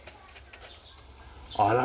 あら！